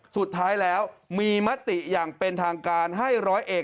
สุดท้ายแล้วมีมติอย่างเป็นทางการให้ร้อยเอก